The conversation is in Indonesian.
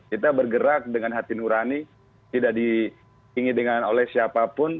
kita bergerak dengan hati nurani tidak diinginkan oleh siapapun